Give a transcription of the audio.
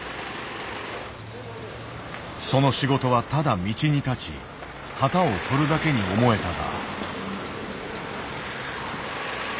その仕事はただ道に立ち旗を振るだけに思えたが。